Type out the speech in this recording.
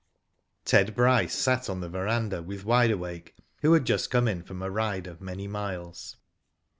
Ted Bryce sat on the verandah with Wide Awake, who had just come in from a ride of many miles.